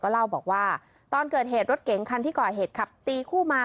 เล่าบอกว่าตอนเกิดเหตุรถเก๋งคันที่ก่อเหตุขับตีคู่มา